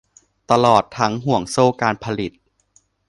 ตลอดทั้งห่วงโซ่การผลิต